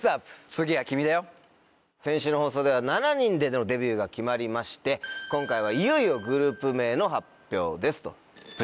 先週の放送では７人でのデビューが決まりまして今回はいよいよグループ名の発表です。